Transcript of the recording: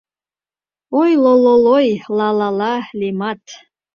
Ой, ло-ло-лой, ла-ла-ла, лемат